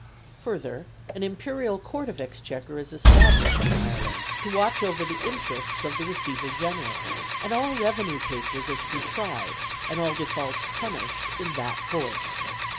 Further, an Imperial Court of Exchequer is established in Ireland to watch over the interests of the Receiver General, and all revenue cases are to be tried, and all defaults punished in that court.